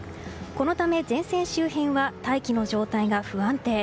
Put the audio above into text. このため前線周辺は大気の状態が不安定。